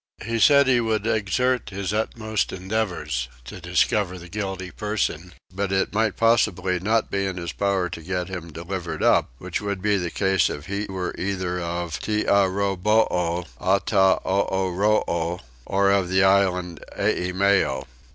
He said that he would exert his utmost endeavours to discover the guilty person, but it might possibly not be in his power to get him delivered up, which would be the case if he was either of Tiarraboo, Attahooroo, or of the island Eimeo.